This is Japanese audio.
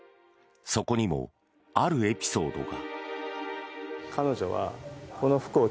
そこにも、あるエピソードが。